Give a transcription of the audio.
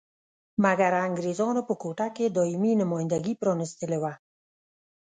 مګر انګریزانو په کوټه کې دایمي نمایندګي پرانیستلې وه.